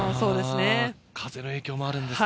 風の影響もあるんですか？